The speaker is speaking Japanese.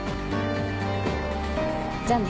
じゃあね。